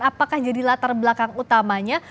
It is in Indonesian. apakah jadi latar belakang utamanya